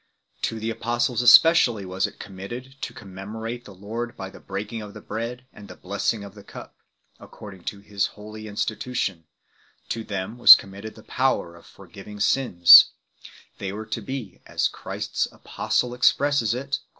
To the Apostles especially was it committed to commemorate their Lord by the Breaking of the Bread and the Blessing of the Cup, according to His holy insti tution 9 ; to them was committed the power of forgiving they were to be as Christ s apostle expresses it sins 1 1 Cor.